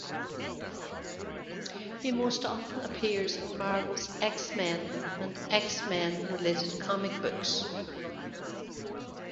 He most often appears in Marvel's "X-Men" and X-Men-related comic books.